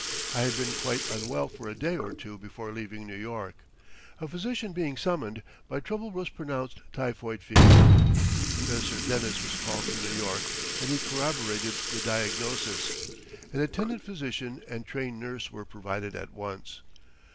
I had been quite unwell for a day or two before leaving New York. A physician being summoned, my trouble was pronounced typhoid fever. Professor Dennis was called from New York and he corroborated the diagnosis. An attendant physician and trained nurse were provided at once.